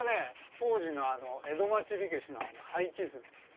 当時の江戸町火消しの配置図。